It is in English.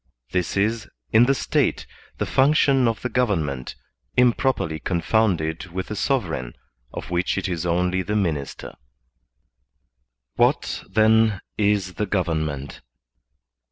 This is, in the State, the function of the government, improperly confounded with the sov ereign of which it is only the minister.* What, then, is the government